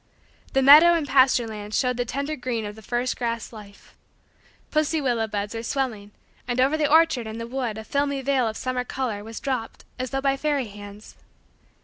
The meadow and pasture lands showed the tender green of the first grass life. Pussy willow buds were swelling and over the orchard and the wood a filmy veil of summer color was dropped as though by fairy hands.